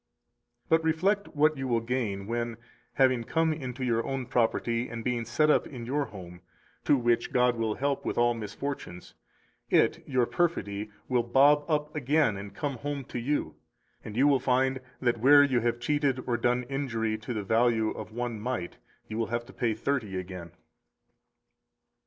236 But reflect what you will gain when, having come into your own property and being set up in your home (to which God will help with all misfortunes), it [your perfidy] will bob up again and come home to you, and you will find that where you have cheated or done injury to the value of one mite, you will have to pay thirty again.